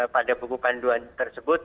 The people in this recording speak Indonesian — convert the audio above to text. pada buku panduan tersebut